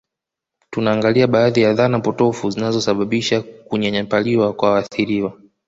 Tunaangazia baadhi ya dhana potofu zinazosababisha kunyanyapaliwa kwa waathiriwa